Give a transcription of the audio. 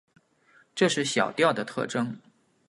这是小调的特征。